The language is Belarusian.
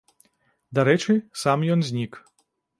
Дарэчы, сам ён знік.